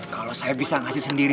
kalau saya bisa ngasih sendiri